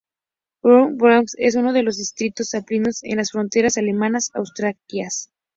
Bad Tölz-Wolfratshausen es uno de los distritos alpinos en las fronteras alemanas-austríacas.